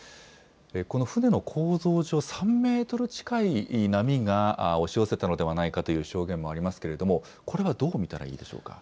この船の構造上、３メートル近い波が押し寄せたのではないかという証言もありますけれども、これはどう見たらいいでしょうか。